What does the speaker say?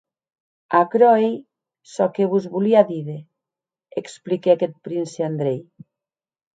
Aquerò ei çò que vos volia díder, expliquèc eth prince Andrei.